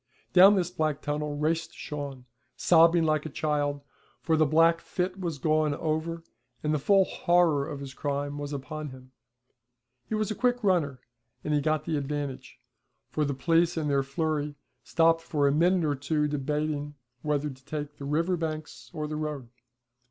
Down this black tunnel raced Shawn, sobbing like a child, for the black fit was gone over and the full horror of his crime was upon him. He was a quick runner, and he got the advantage, for the police in their flurry stopped for a minute or two debating whether to take the river banks or the road.